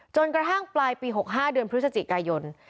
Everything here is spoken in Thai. จนกระทั่งปลายปี๖๕เดือนพฤศจิกายน